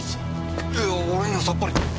いや俺にはさっぱり。